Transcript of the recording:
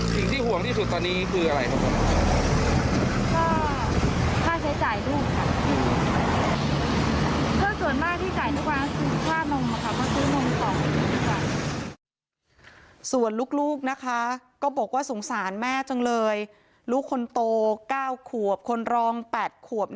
สิ่งที่ห่วงที่สุดตอนนี้คืออะไรครับ